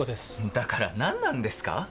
だから何なんですか